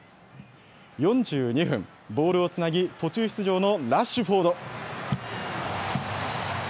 ４２分、ボールをつなぎ、途中出場のラッシュフォード。